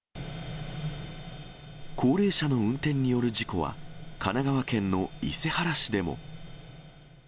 高齢者の運転による事故は、神奈川県の伊勢原市でも。